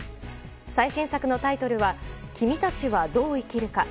最新作のタイトルは「君たちはどう生きるか」。